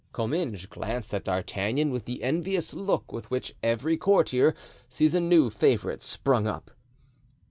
Comminges glanced at D'Artagnan with the envious look with which every courtier sees a new favorite spring up.